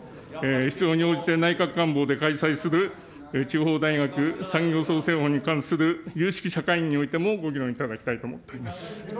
必要に応じて内閣官房で開催する地方大学産業創生法に関する有識者会議においても、ご議論いただきたいと思っています。